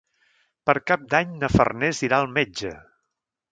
Per Cap d'Any na Farners irà al metge.